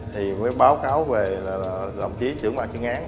thì mới báo cáo về là đồng chí trưởng bạc chứng án